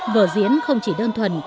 vở diễn không chỉ đơn thuần